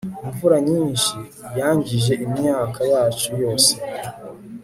imvura nyinshi yangije imyaka yacu yose